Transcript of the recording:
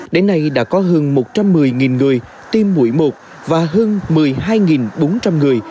đến nay đã có hơn một trăm một mươi người tiêm mũi một và hơn một mươi hai bốn trăm linh người